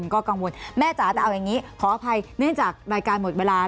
ก็กังวลแม่จ๋าแต่เอาอย่างนี้ขออภัยเนื่องจากรายการหมดเวลา